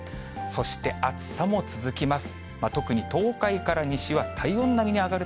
そして暑さも続きます。